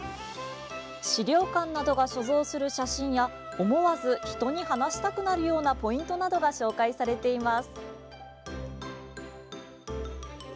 資料館などが所蔵する写真や思わず人に話したくなるようなポイントなどが紹介されています。